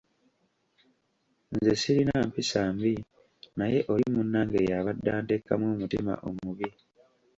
Nze sirina mpisa mbi naye oli munnange y'abadde anteekamu omutima omubi.